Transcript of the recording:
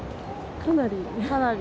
かなり？